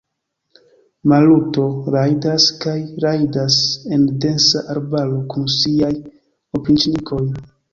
Maluto rajdas kaj rajdas en densa arbaro kun siaj opriĉnikoj.